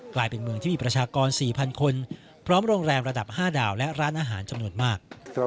กลายเป็นเมืองที่มีประชากร๔๐๐คนพร้อมโรงแรมระดับ๕ดาวและร้านอาหารจำนวนมาก